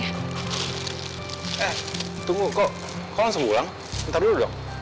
eh tunggu kok kau langsung ulang ntar dulu dong